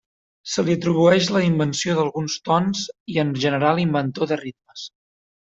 Se li atribueix la invenció d'alguns tons i en general inventor de ritmes.